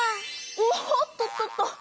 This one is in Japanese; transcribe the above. おっとっとっと。